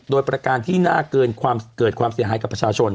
โดยประการที่น่าเกินความเกิดความเสียหายกับประชาชน